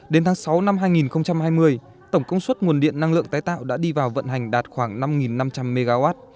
đến tháng sáu năm hai nghìn hai mươi tổng công suất nguồn điện năng lượng tái tạo đã đi vào vận hành đạt khoảng năm năm trăm linh mw